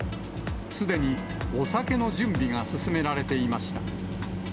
すでにお酒の準備が進められていました。